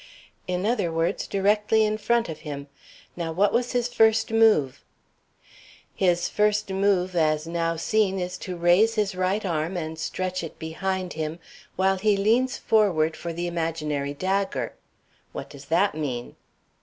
"In other words, directly in front of him. Now what was his first move?" "His first move, as now seen, is to raise his right arm and stretch it behind him, while he leans forward for the imaginary dagger. What does that mean?"